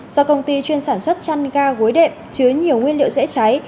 do công ty chuyên sản xuất chăn ga gối đệm chứa nhiều nguyên liệu dễ cháy